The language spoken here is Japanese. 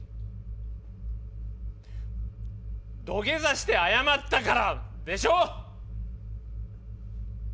「土下座して謝ったから」でしょ？